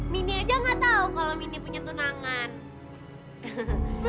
mini aja gak tau kalo mini punya tunangan